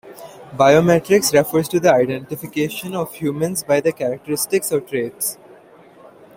Biometrics refers to the identification of humans by their characteristics or traits.